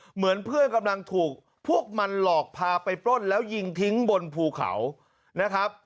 เหมือนเพื่อนกำลังถูกพวกมันหลอกพาไปปล้นแล้วยิงทิ้งบนภูเขานะครับ